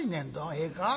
ええか。